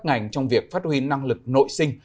ngành trong việc phát huy năng lực nội sinh